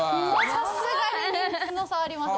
さすがに人気の差あります。